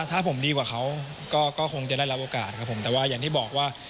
ถ้าผมดีกว่าเขาก็คงจะได้รับโอกาสครับผมแต่ว่าอย่างที่บอกว่า